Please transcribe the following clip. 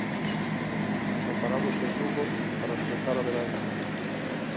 E paramos en Lugo para escoitar a Venancio.